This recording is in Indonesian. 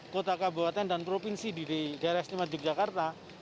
kota kabupaten dan provinsi di daerah istimewa yogyakarta